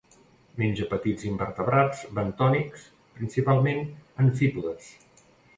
Menja petits invertebrats bentònics, principalment amfípodes.